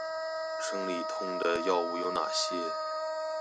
生理痛的藥物有哪些？